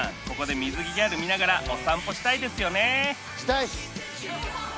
ここで水着ギャル見ながらお散歩したいですよね